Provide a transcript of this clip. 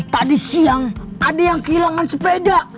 tadi siang ada yang kehilangan sepeda